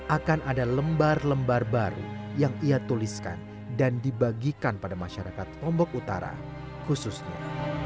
akan ada lembar lembar baru yang ia tuliskan dan dibagikan pada masyarakat lombok utara khususnya